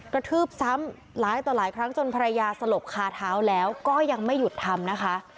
ทืบซ้ำหลายต่อหลายครั้งจนภรรยาสลบคาเท้าแล้วก็ยังไม่หยุดทำนะคะ